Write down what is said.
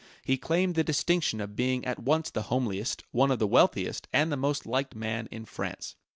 He claimed the distinction of being at once the homeliest, one of the wealthiest, and the most liked man in France.